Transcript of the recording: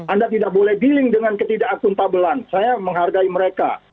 anda tidak boleh giling dengan ketidakaktuntabelan saya menghargai mereka